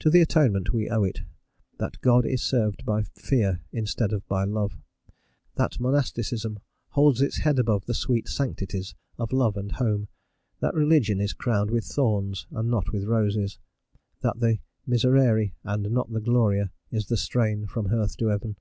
To the Atonement we owe it that God is served by fear instead of by love, that monasticism holds its head above the sweet sanctities of love and home, that religion is crowned with thorns and not with roses, that the miserere and not the gloria is the strain from earth to heaven.